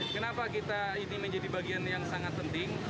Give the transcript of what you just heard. kenapa kita ini menjadi bagian yang sangat penting